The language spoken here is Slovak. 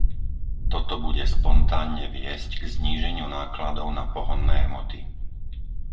Toto bude spontánne viesť k zníženiu nákladov na pohonné hmoty.